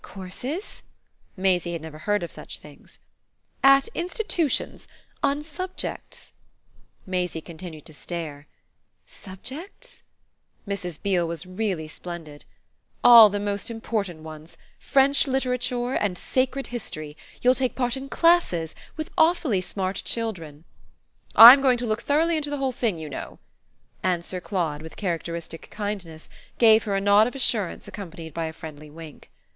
"Courses?" Maisie had never heard of such things. "At institutions on subjects." Maisie continued to stare. "Subjects?" Mrs. Beale was really splendid. "All the most important ones. French literature and sacred history. You'll take part in classes with awfully smart children." "I'm going to look thoroughly into the whole thing, you know." And Sir Claude, with characteristic kindness, gave her a nod of assurance accompanied by a friendly wink.